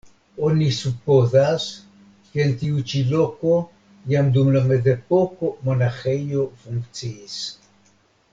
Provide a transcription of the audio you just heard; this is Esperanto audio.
Oni supozas, ke en tiu ĉi loko jam dum la mezepoko monaĥejo funkciis.